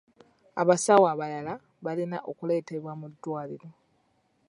Abasawo abalala balina okuleetebwa mu ddwaliro.